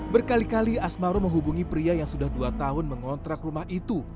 berkali kali asmaro menghubungi pria yang sudah dua tahun mengontrak rumah itu